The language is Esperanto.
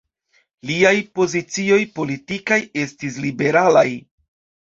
Liaj pozicioj politikaj estis liberalaj.